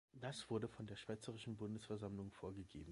Das wurde von der Schweizerischen Bundesversammlung vorgegeben.